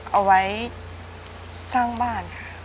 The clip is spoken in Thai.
เอาไว้สร้างบ้านค่ะ